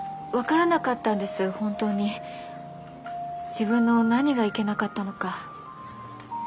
自分の何がいけなかったのか。